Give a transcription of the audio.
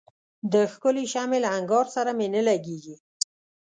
د ښکلي شمعي له انګار سره مي نه لګیږي